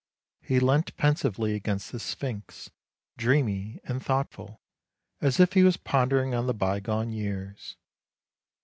He leant pensively against the Sphinx, dreamy and thoughtful, as if he was pondering on the bygone years.